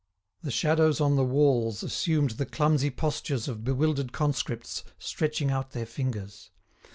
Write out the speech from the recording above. The shadows on the walls assumed the clumsy postures of bewildered conscripts stretching out their fingers.